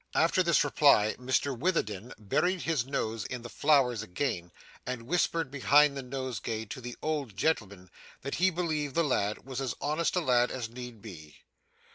At this reply Mr Witherden buried his nose in the flowers again, and whispered behind the nosegay to the old gentleman that he believed the lad was as honest a lad as need be.